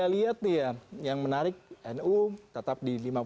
kalau anda lihat nih ya yang menarik nu tetap di lima puluh empat